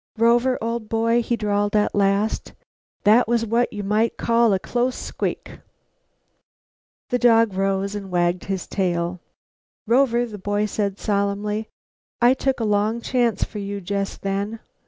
"Rover, old boy," he drawled at last, "that was what you might call a close squeak." The dog rose and wagged his tail. "Rover," the boy said solemnly, "I took a long chance for you just then.